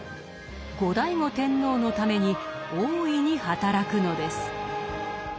後醍醐天皇のために大いに働くのです。